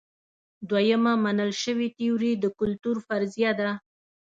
دویمه منل شوې تیوري د کلتور فرضیه ده.